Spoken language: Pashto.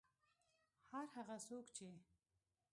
هر هغه څوک چې